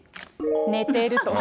寝てると。